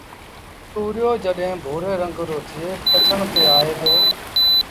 تُوريو جڏهيݩ ڀُوري رنگ رو ٿئي پچڻ تي آئي دو